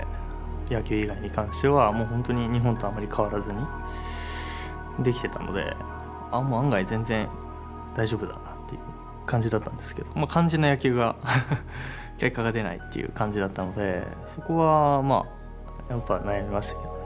野球以外に関してはもう本当に日本とあんまり変わらずにできてたので案外全然大丈夫だなっていう感じだったんですけど肝心な野球が結果が出ないっていう感じだったのでそこはやっぱ悩みましたけどね。